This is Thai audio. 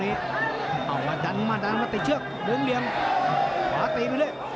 อ้าวเอามาดันมาดันมาติดเชือกมุมเหลี่ยมขวาตีไปเลย